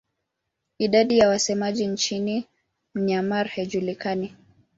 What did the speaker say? Idadi ya wasemaji nchini Myanmar haijulikani.